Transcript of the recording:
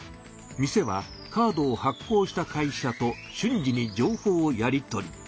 店はカードを発行した会社と瞬時に情報をやり取り。